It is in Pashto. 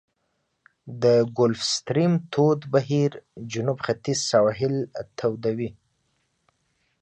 د ګلف ستریم تود بهیر جنوب ختیځ سواحل توده وي.